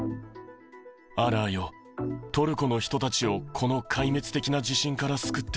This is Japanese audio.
アラーよ、トルコの人たちをこの壊滅的な地震から救って。